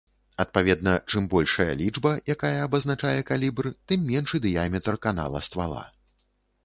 Адпаведна, чым большая лічба, якая абазначае калібр, тым меншы дыяметр канала ствала.